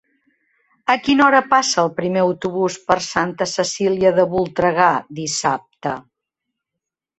A quina hora passa el primer autobús per Santa Cecília de Voltregà dissabte?